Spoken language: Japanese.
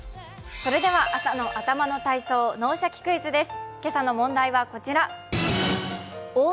朝の頭の体操、「脳シャキ！クイズ」です。